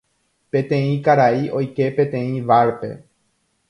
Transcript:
Peteĩ karai oike peteĩ bar-pe.